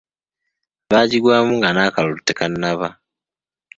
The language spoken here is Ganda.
Baagigwamu nga n'akalulu tekannaba.